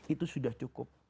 itu sudah cukup